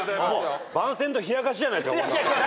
番宣と冷やかしじゃないですか。